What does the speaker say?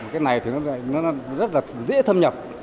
cái này thì nó rất là dễ thâm nhập